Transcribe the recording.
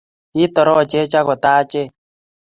Kitorochech agogatech